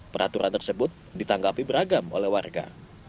peraturan tersebut ditanggapi beragam oleh warga